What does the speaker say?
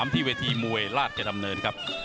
ที่เวทีมวยราชดำเนินครับ